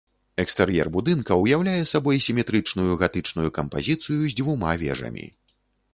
Экстэр'ер будынка ўяўляе сабой сіметрычную гатычную кампазіцыю з дзвюма вежамі.